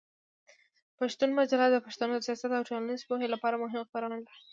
پښتون مجله د پښتنو د سیاسي او ټولنیزې پوهې لپاره مهمه خپرونه وه.